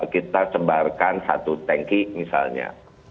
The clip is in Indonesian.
kita sebarkan satu tanki misalnya